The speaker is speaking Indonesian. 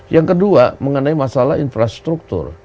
yang kedua mengenai masalah infrastruktur